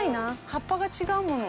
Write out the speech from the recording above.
葉っぱが違うもの。